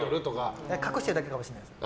隠してるだけかもしれないです。